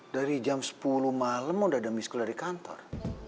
dari jam sepuluh malem udah ada miss call dari kantor